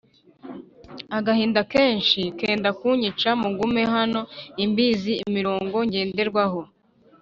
agahinda kenshi kenda kunyica Mugume hano imbizi imirongo ngenderwaho